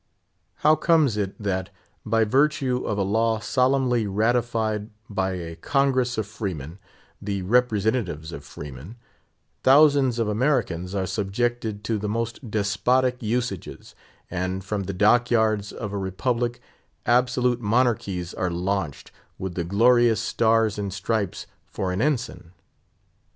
How comes it that, by virtue of a law solemnly ratified by a Congress of freemen, the representatives of freemen, thousands of Americans are subjected to the most despotic usages, and, from the dockyards of a republic, absolute monarchies are launched, with the "glorious stars and stripes" for an ensign?